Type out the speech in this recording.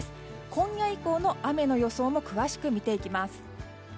今夜以降の雨の予想も詳しく見ていきます。